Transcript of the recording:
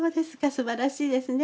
すばらしいですね